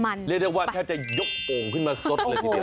เรียกได้ว่าแทบจะยกโอ่งขึ้นมาสดเลยทีเดียว